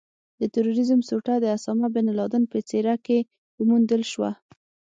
د ترورېزم سوټه د اسامه بن لادن په څېره کې وموندل شوه.